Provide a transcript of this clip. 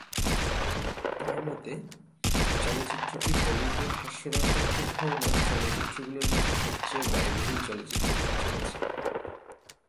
তাঁর মতে, চলচ্চিত্রটি বলিউডে হাস্যরসাত্মক ঘরানার চলচ্চিত্রগুলোর মাঝে সবচেয়ে ব্যয়বহুল চলচ্চিত্র হতে চলেছে।